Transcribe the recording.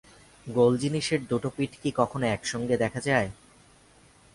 গোল জিনিসের দুটো পিঠ কি কখনো একসঙ্গে দেখা যায়?